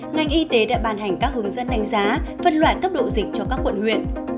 ngành y tế đã bàn hành các hướng dẫn đánh giá phân loại cấp độ dịch cho các quận huyện